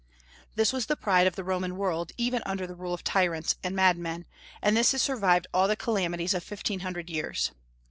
This was the pride of the Roman world, even under the rule of tyrants and madmen, and this has survived all the calamities of fifteen hundred years.